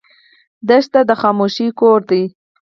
دښته د خاموشۍ کور دی.